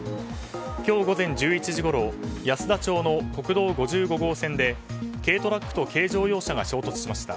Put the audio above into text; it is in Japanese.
今日午前１１時ごろ安田町の国道５５線で軽トラックと軽乗用車が衝突しました。